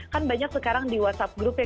kan banyak sekarang di whatsapp group ya